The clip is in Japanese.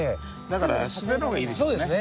だから素手の方がいいですね。